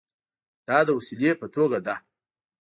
دا د وسیلې په توګه ده.